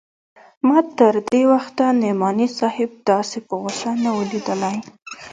ما تر دې وخته نعماني صاحب داسې په غوسه نه و ليدلى.